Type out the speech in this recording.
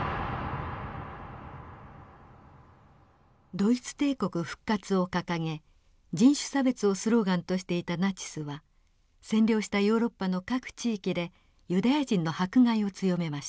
ドイツ帝国復活を掲げ人種差別をスローガンとしていたナチスは占領したヨーロッパの各地域でユダヤ人の迫害を強めました。